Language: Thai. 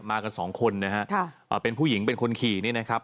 มากันสองคนนะฮะเป็นผู้หญิงเป็นคนขี่นี่นะครับ